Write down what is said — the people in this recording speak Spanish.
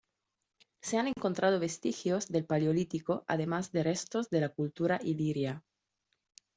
Se han encontrado vestigios del paleolítico, además de restos de la cultura iliria.